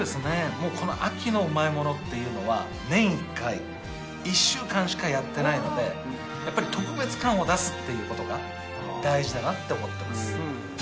もうこの秋のうまいものっていうのはのでやっぱり特別感を出すっていうことが大事だなって思ってます